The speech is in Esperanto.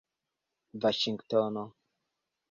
vaŝingtono